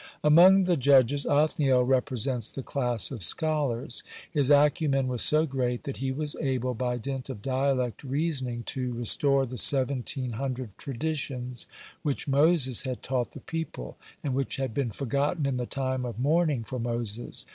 (22) Among the judges, Othniel represents the class of scholars. His acumen was so great that he was able, by dint of dialect reasoning, to restore the seventeen hundred traditions (23) which Moses had taught the people, and which had been forgotten in the time of mourning for Moses.